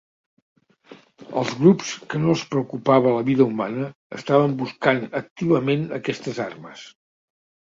Els grups que no els preocupava la vida humana estaven buscant activament aquestes armes.